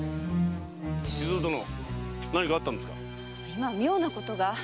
今妙なことが。